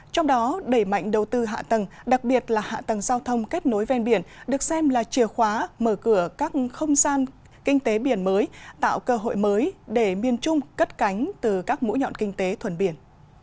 trong đó đẩy mạnh đầu tư hạ tầng đặc biệt là hạ tầng giao thông kết nối ven biển được xem là chìa khóa mở cửa các không gian kinh tế biển mới tạo cơ hội mới để miền trung cất cánh từ các mũi nhọn kinh tế thuần biển